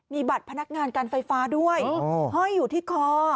มีบัตรพนักงานการไฟฟ้าด้วยห้อยอยู่ที่คอ